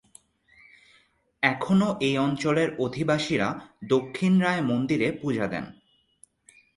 এখনও এই অঞ্চলের অধিবাসীরা দক্ষিণরায় মন্দিরে পূজা দেন।